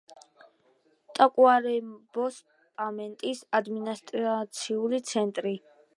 ტაკუარემბოს დეპარტამენტის ადმინისტრაციული ცენტრი.